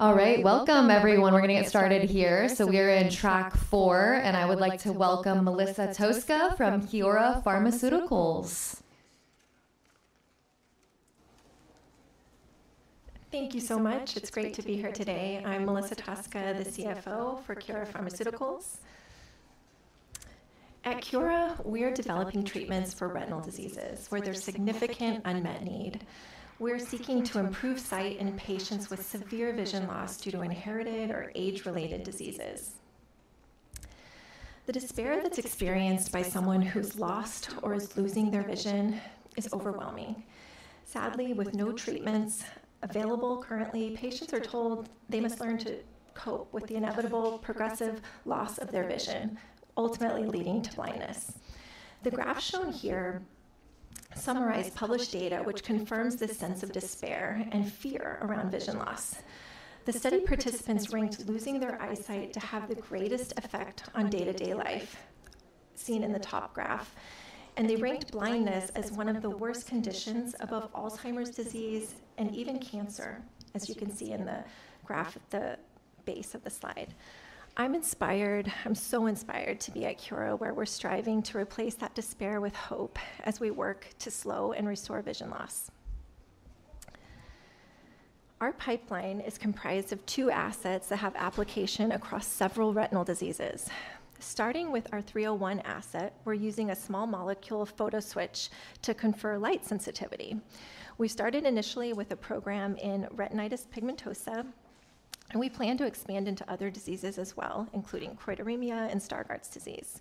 All right, welcome everyone. We're going to get started here. So we are in track four, and I would like to welcome Melissa Tosca from Kiora Pharmaceuticals. Thank you so much. It's great to be here today. I'm Melissa Tosca, the CFO for Kiora Pharmaceuticals. At Kiora, we are developing treatments for retinal diseases where there's significant unmet need. We're seeking to improve sight in patients with severe vision loss due to inherited or age-related diseases. The despair that's experienced by someone who's lost or is losing their vision is overwhelming. Sadly, with no treatments available currently, patients are told they must learn to cope with the inevitable progressive loss of their vision, ultimately leading to blindness. The graph shown here summarizes published data, which confirms this sense of despair and fear around vision loss. The study participants ranked losing their eyesight to have the greatest effect on day-to-day life, seen in the top graph, and they ranked blindness as one of the worst conditions above Alzheimer's disease and even cancer, as you can see in the graph at the base of the slide. I'm inspired, I'm so inspired to be at Kiora, where we're striving to replace that despair with hope as we work to slow and restore vision loss. Our pipeline is comprised of two assets that have application across several retinal diseases. Starting with our 301 asset, we're using a small molecule photoswitch to confer light sensitivity. We started initially with a program in retinitis pigmentosa, and we plan to expand into other diseases as well, including choroideremia and Stargardt's disease.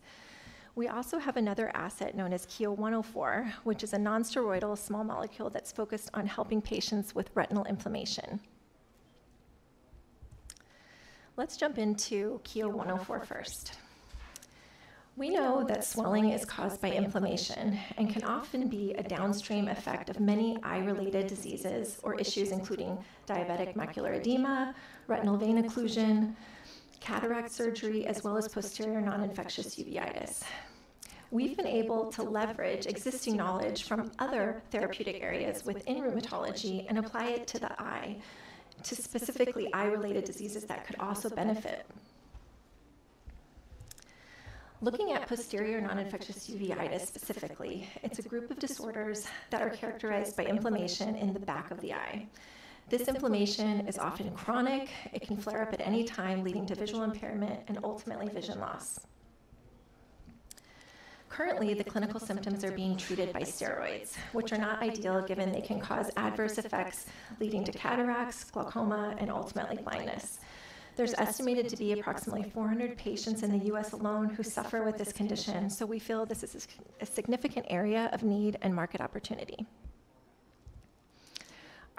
We also have another asset known as KIO-104, which is a non-steroidal small molecule that's focused on helping patients with retinal inflammation. Let's jump into KIO-104 first. We know that swelling is caused by inflammation and can often be a downstream effect of many eye-related diseases or issues, including diabetic macular edema, retinal vein occlusion, cataract surgery, as well as posterior non-infectious uveitis. We've been able to leverage existing knowledge from other therapeutic areas within rheumatology and apply it to the eye, to specifically eye-related diseases that could also benefit. Looking at posterior non-infectious uveitis specifically, it's a group of disorders that are characterized by inflammation in the back of the eye. This inflammation is often chronic. It can flare up at any time, leading to visual impairment and ultimately vision loss. Currently, the clinical symptoms are being treated by steroids, which are not ideal given they can cause adverse effects leading to cataracts, glaucoma, and ultimately blindness. There's estimated to be approximately 400 patients in the U.S. alone who suffer with this condition, so we feel this is a significant area of need and market opportunity.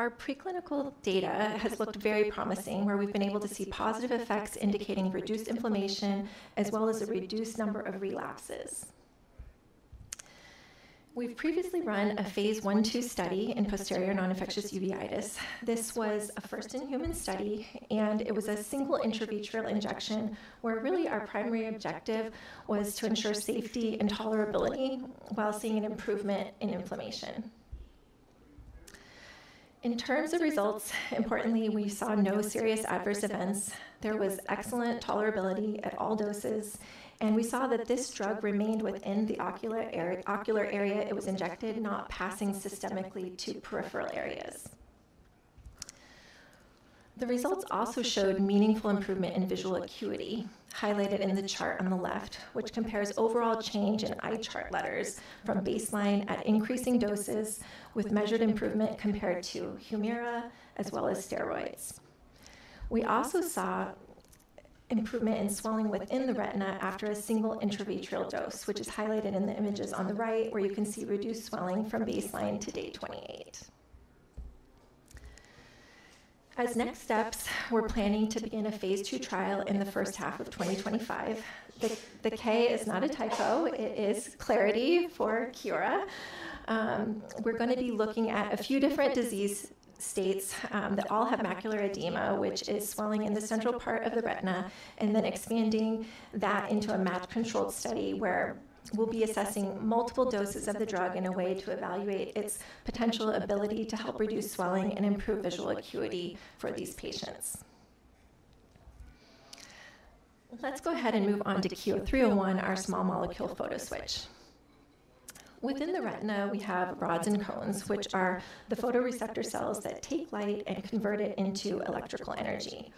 Our preclinical data has looked very promising, where we've been able to see positive effects indicating reduced inflammation as well as a reduced number of relapses. We've previously run a phase I/II study in posterior non-infectious uveitis. This was a first-in-human study, and it was a single intravitreal injection where really our primary objective was to ensure safety and tolerability while seeing an improvement in inflammation. In terms of results, importantly, we saw no serious adverse events. There was excellent tolerability at all doses, and we saw that this drug remained within the ocular area it was injected, not passing systemically to peripheral areas. The results also showed meaningful improvement in visual acuity, highlighted in the chart on the left, which compares overall change in eye chart letters from baseline at increasing doses with measured improvement compared to Humira as well as steroids. We also saw improvement in swelling within the retina after a single intravitreal dose, which is highlighted in the images on the right, where you can see reduced swelling from baseline to day 28. As next steps, we're planning to begin a phase II trial in the first half of 2025. The K is not a typo. It is KLARITY for Kiora. We're going to be looking at a few different disease states that all have macular edema, which is swelling in the central part of the retina, and then expanding that into a matched-controlled study where we'll be assessing multiple doses of the drug in a way to evaluate its potential ability to help reduce swelling and improve visual acuity for these patients. Let's go ahead and move on to KIO-301, our small molecule photoswitch. Within the retina, we have rods and cones, which are the photoreceptor cells that take light and convert it into electrical energy.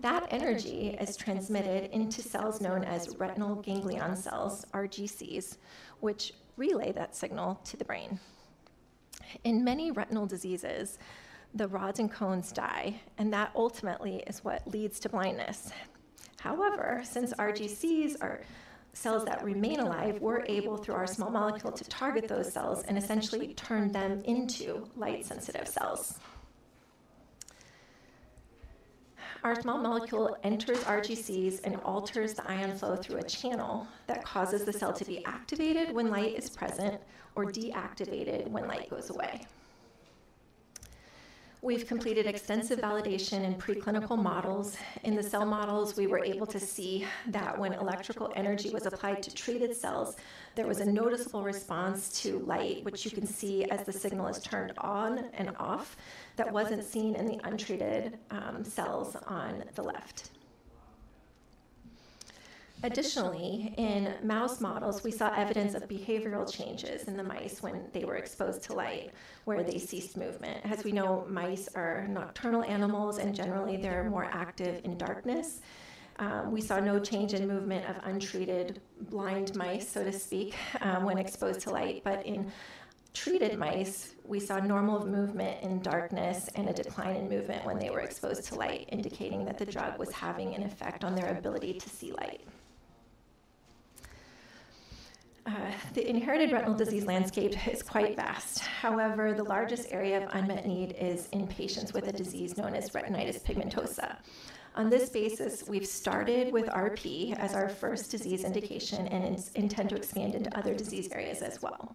That energy is transmitted into cells known as retinal ganglion cells, RGCs, which relay that signal to the brain. In many retinal diseases, the rods and cones die, and that ultimately is what leads to blindness. However, since RGCs are cells that remain alive, we're able, through our small molecule, to target those cells and essentially turn them into light-sensitive cells. Our small molecule enters RGCs and alters the ion flow through a channel that causes the cell to be activated when light is present or deactivated when light goes away. We've completed extensive validation in preclinical models. In the cell models, we were able to see that when electrical energy was applied to treated cells, there was a noticeable response to light, which you can see as the signal is turned on and off, that wasn't seen in the untreated cells on the left. Additionally, in mouse models, we saw evidence of behavioral changes in the mice when they were exposed to light, where they ceased movement. As we know, mice are nocturnal animals, and generally, they're more active in darkness. We saw no change in movement of untreated blind mice, so to speak, when exposed to light, but in treated mice, we saw normal movement in darkness and a decline in movement when they were exposed to light, indicating that the drug was having an effect on their ability to see light. The inherited retinal disease landscape is quite vast. However, the largest area of unmet need is in patients with a disease known as retinitis pigmentosa. On this basis, we've started with RP as our first disease indication and intend to expand into other disease areas as well.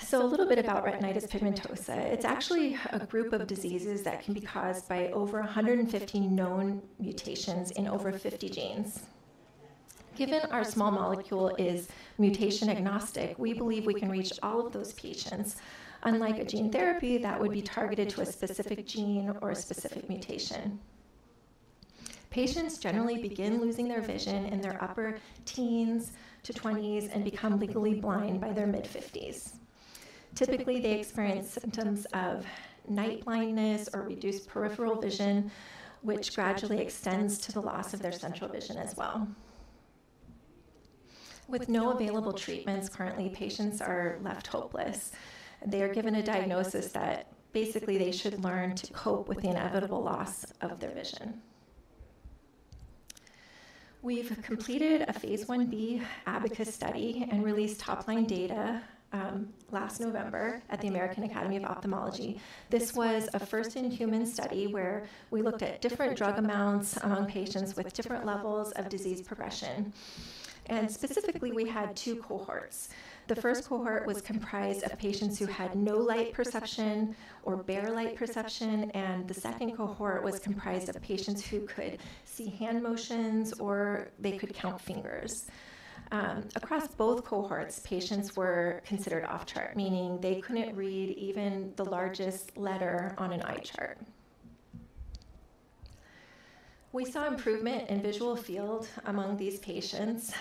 So a little bit about retinitis pigmentosa. It's actually a group of diseases that can be caused by over 150 known mutations in over 50 genes. Given our small molecule is mutation-agnostic, we believe we can reach all of those patients, unlike a gene therapy that would be targeted to a specific gene or a specific mutation. Patients generally begin losing their vision in their upper teens to 20s and become legally blind by their mid-50s. Typically, they experience symptoms of night blindness or reduced peripheral vision, which gradually extends to the loss of their central vision as well. With no available treatments currently, patients are left hopeless. They are given a diagnosis that basically they should learn to cope with the inevitable loss of their vision. We've completed a phase I-B ABACUS study and released top-line data last November at the American Academy of Ophthalmology. This was a first-in-human study where we looked at different drug amounts among patients with different levels of disease progression, and specifically, we had two cohorts. The first cohort was comprised of patients who had no light perception or bare light perception, and the second cohort was comprised of patients who could see hand motions or they could count fingers. Across both cohorts, patients were considered off-chart, meaning they couldn't read even the largest letter on an eye chart. We saw improvement in visual field among these patients,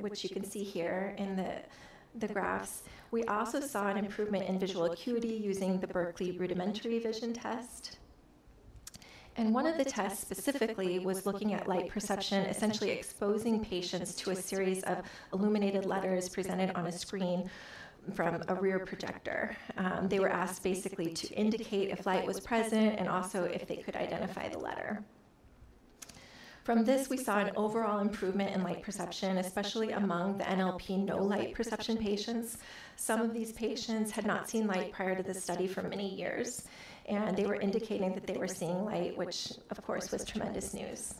which you can see here in the graphs. We also saw an improvement in visual acuity using the Berkeley Rudimentary Vision Test, and one of the tests specifically was looking at light perception, essentially exposing patients to a series of illuminated letters presented on a screen from a rear projector. They were asked basically to indicate if light was present and also if they could identify the letter. From this, we saw an overall improvement in light perception, especially among the NLP no-light perception patients. Some of these patients had not seen light prior to the study for many years, and they were indicating that they were seeing light, which, of course, was tremendous news.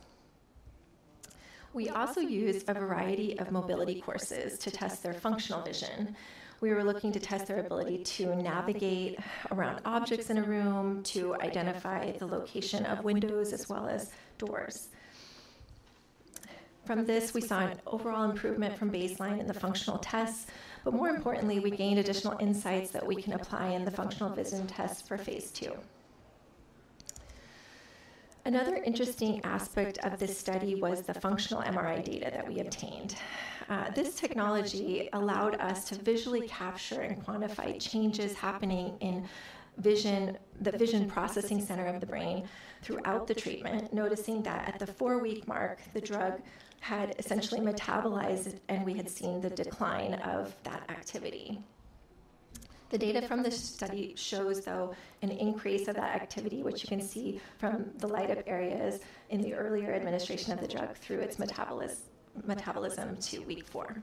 We also used a variety of mobility courses to test their functional vision. We were looking to test their ability to navigate around objects in a room, to identify the location of windows as well as doors. From this, we saw an overall improvement from baseline in the functional tests, but more importantly, we gained additional insights that we can apply in the functional vision tests for phase II. Another interesting aspect of this study was the functional MRI data that we obtained. This technology allowed us to visually capture and quantify changes happening in the vision processing center of the brain throughout the treatment, noticing that at the four-week mark, the drug had essentially metabolized, and we had seen the decline of that activity. The data from this study shows, though, an increase of that activity, which you can see from the light-up areas in the earlier administration of the drug through its metabolism to week four.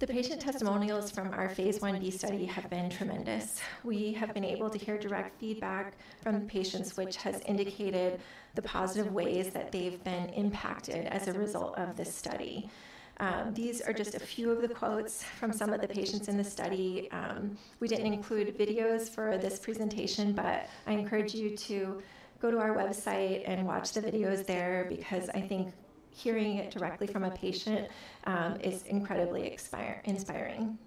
The patient testimonials from our phase I-B study have been tremendous. We have been able to hear direct feedback from the patients, which has indicated the positive ways that they've been impacted as a result of this study. These are just a few of the quotes from some of the patients in the study. We didn't include videos for this presentation, but I encourage you to go to our website and watch the videos there because I think hearing it directly from a patient is incredibly inspiring.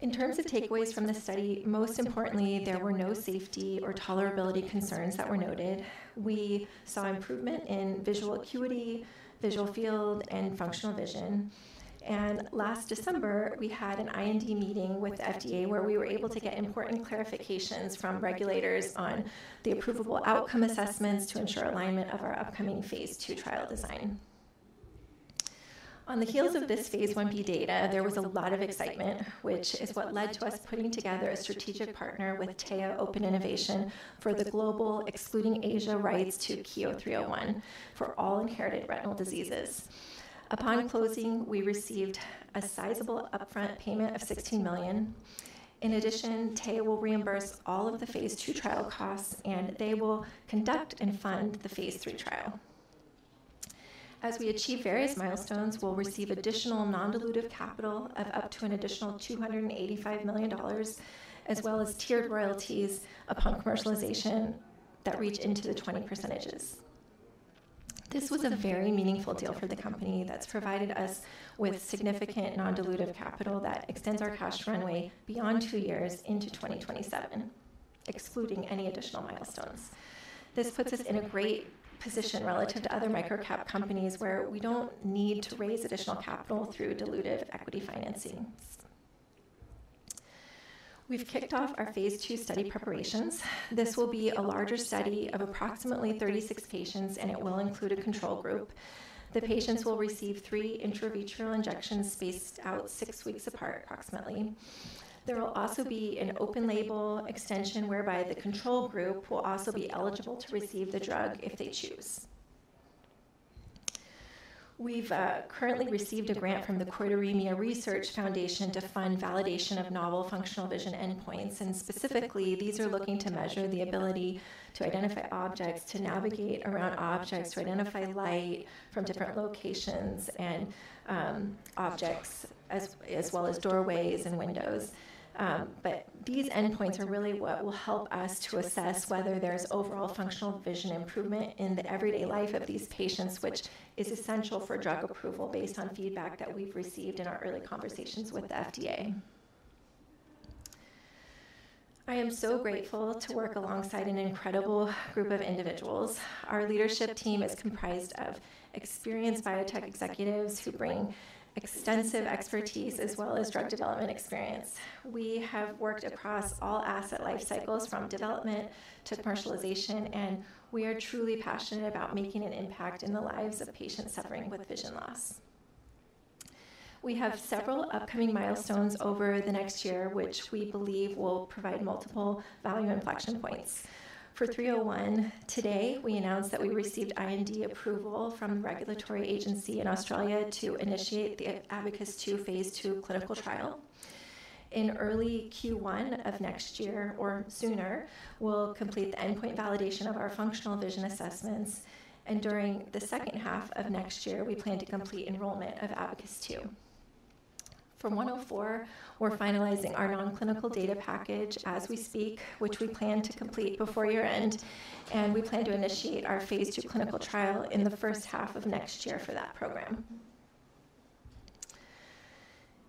In terms of takeaways from the study, most importantly, there were no safety or tolerability concerns that were noted. We saw improvement in visual acuity, visual field, and functional vision, and last December, we had an IND meeting with the FDA where we were able to get important clarifications from regulators on the approvable outcome assessments to ensure alignment of our upcoming phase II trial design. On the heels of this phase I-B data, there was a lot of excitement, which is what led to us putting together a strategic partner with Théa Open Innovation for the global excluding Asia rights to KIO-301 for all inherited retinal diseases. Upon closing, we received a sizable upfront payment of $16 million. In addition, Théa will reimburse all of the phase II trial costs, and they will conduct and fund the phase III trial. As we achieve various milestones, we'll receive additional non-dilutive capital of up to an additional $285 million, as well as tiered royalties upon commercialization that reach into the 20%. This was a very meaningful deal for the company that's provided us with significant non-dilutive capital that extends our cash runway beyond two years into 2027, excluding any additional milestones. This puts us in a great position relative to other microcap companies where we don't need to raise additional capital through dilutive equity financing. We've kicked off our phase II study preparations. This will be a larger study of approximately 36 patients, and it will include a control group. The patients will receive three intravitreal injections spaced out six weeks apart, approximately. There will also be an open label extension whereby the control group will also be eligible to receive the drug if they choose. We've currently received a grant from the Choroideremia Research Foundation to fund validation of novel functional vision endpoints, and specifically, these are looking to measure the ability to identify objects, to navigate around objects, to identify light from different locations and objects, as well as doorways and windows. But these endpoints are really what will help us to assess whether there's overall functional vision improvement in the everyday life of these patients, which is essential for drug approval based on feedback that we've received in our early conversations with the FDA. I am so grateful to work alongside an incredible group of individuals. Our leadership team is comprised of experienced biotech executives who bring extensive expertise as well as drug development experience. We have worked across all asset life cycles from development to commercialization, and we are truly passionate about making an impact in the lives of patients suffering with vision loss. We have several upcoming milestones over the next year, which we believe will provide multiple value inflection points. For KIO-301, today, we announced that we received IND approval from the regulatory agency in Australia to initiate the ABACUS-2 phase II clinical trial. In early Q1 of next year or sooner, we'll complete the endpoint validation of our functional vision assessments, and during the second half of next year, we plan to complete enrollment of ABACUS-2. For 104, we're finalizing our non-clinical data package as we speak, which we plan to complete before year-end, and we plan to initiate our phase II clinical trial in the first half of next year for that program.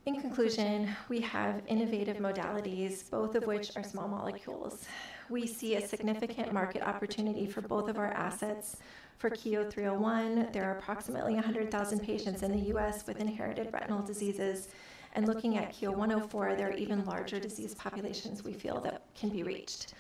In conclusion, we have innovative modalities, both of which are small molecules. We see a significant market opportunity for both of our assets. For KIO-301, there are approximately 100,000 patients in the U.S. with inherited retinal diseases, and looking at KIO-104, there are even larger disease populations we feel that can be reached.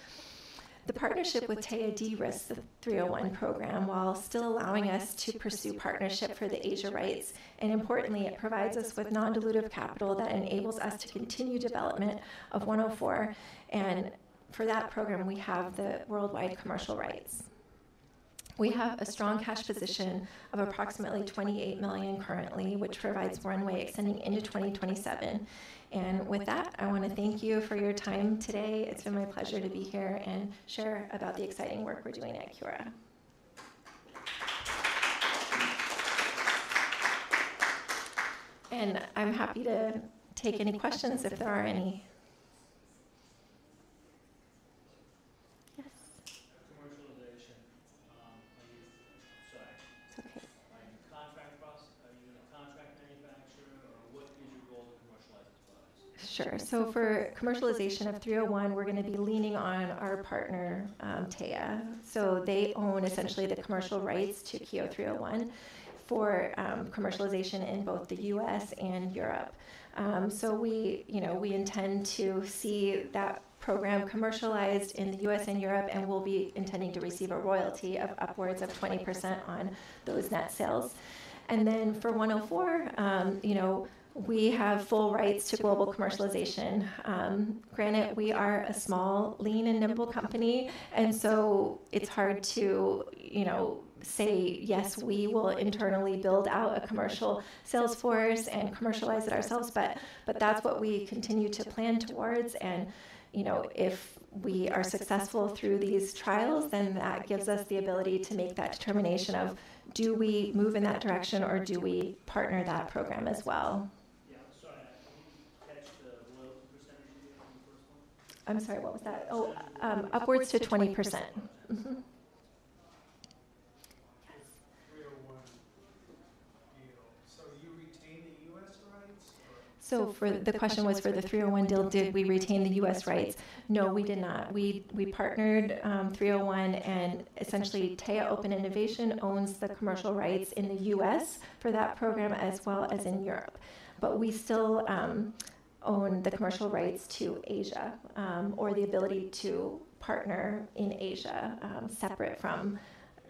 The partnership with Théa de-risked the 301 program while still allowing us to pursue partnership for the Asia rights, and importantly, it provides us with non-dilutive capital that enables us to continue development of 104, and for that program, we have the worldwide commercial rights. We have a strong cash position of approximately $28 million currently, which provides runway extending into 2027. And with that, I want to thank you for your time today. It's been my pleasure to be here and share about the exciting work we're doing at Kiora. And I'm happy to take any questions if there are any. Yes. Commercialization by your side. It's okay. Are you a contract manufacturer, or what is your goal to commercialize this product? Sure. So for commercialization of KIO-301, we're going to be leaning on our partner, Théa. So they own essentially the commercial rights to KIO-301 for commercialization in both the U.S. and Europe. So we intend to see that program commercialized in the U.S. and Europe, and we'll be intending to receive a royalty of upwards of 20% on those net sales. And then for 104, we have full rights to global commercialization. Granted, we are a small, lean, and nimble company, and so it's hard to say, "Yes, we will internally build out a commercial sales force and commercialize it ourselves," but that's what we continue to plan towards. And if we are successful through these trials, then that gives us the ability to make that determination of, "Do we move in that direction, or do we partner that program as well?" Yeah, sorry, can you catch the low percentage you did on the first one? I'm sorry, what was that? Oh, upwards to 20%. 301 deal. So you retain the U.S. rights? So the question was for the 301 deal, did we retain the U.S. rights? No, we did not. We partnered 301, and essentially, Théa Open Innovation owns the commercial rights in the U.S. For that program as well as in Europe. But we still own the commercial rights to Asia or the ability to partner in Asia separate from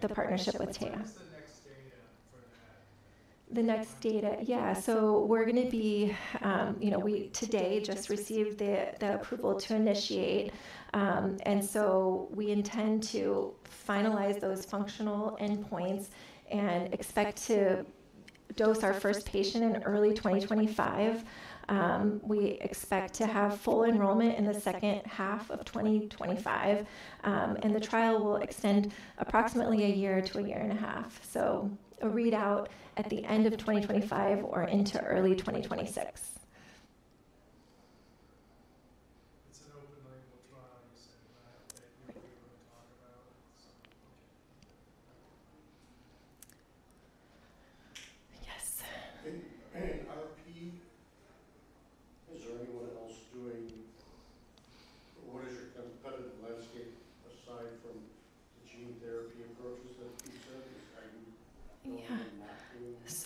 the partnership with Théa. What's the next data for that? The next data, yeah. So we just received the approval to initiate today, and so we intend to finalize those functional endpoints and expect to dose our first patient in early 2025. We expect to have full enrollment in the second half of 2025, and the trial will extend approximately a year to a year and a half. So a readout at the end of 2025 or into early 2026.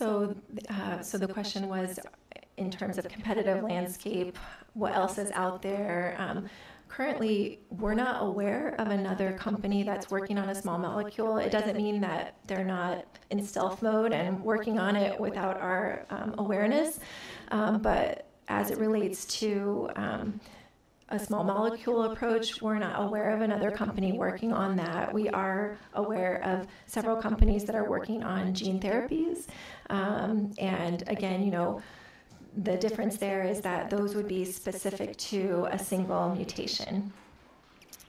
It's an open label trial, you said, right? That you were going to talk about some of what you're doing there? And RP? Yes. Is there anyone else doing? What is your competitive landscape aside from the gene therapy approaches that you said? Are you not doing? The question was, in terms of competitive landscape, what else is out there? Currently, we're not aware of another company that's working on a small molecule. It doesn't mean that they're not in stealth mode and working on it without our awareness, but as it relates to a small molecule approach, we're not aware of another company working on that. We are aware of several companies that are working on gene therapies, and again, the difference there is that those would be specific to a single mutation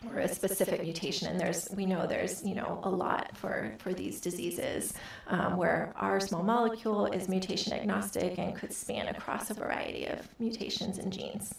or a specific mutation. We know there's a lot for these diseases where our small molecule is mutation-agnostic and could span across a variety of mutations and genes.